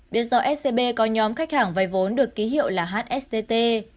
biết rõ scb có nhóm khách hàng vai vốn được ký hiệu là hstt